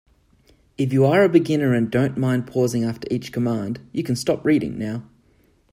If you are a beginner and don't mind pausing after each command, you can stop reading now.